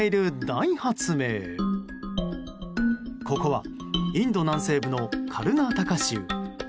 ここはインド南西部のカルナータカ州。